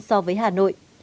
so với hà nội